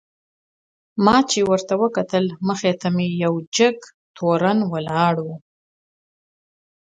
ما چې ورته وکتل مخې ته مې یو قد بلنده تورن ولاړ و.